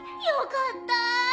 よかった。